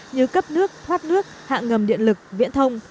như cấp nước thoát nước hạ ngầm điện lực viễn thông